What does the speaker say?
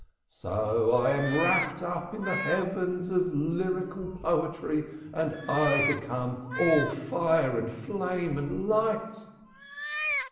So am I rapt up into the heaven of lyrical poetry and I become all fire and flame and light."